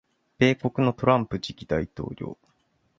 米国のトランプ次期大統領